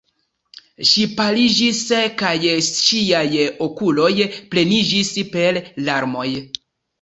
Ŝi paliĝis, kaj ŝiaj okuloj pleniĝis per larmoj.